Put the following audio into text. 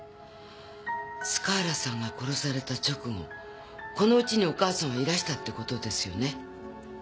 塚原さんが殺された直後この家におかあさんはいらしたってことですよね？